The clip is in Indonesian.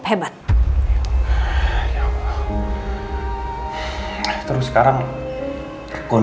paman saya ingin menemukan